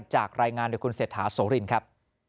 จากรายงานด้วยคุณเสธาโสรินครับ